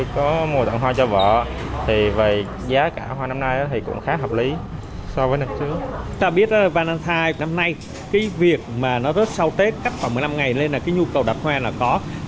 cái việc mà nó rớt sau tết cách khoảng một mươi năm ngày lên là cái nhu cầu đặt hoa là có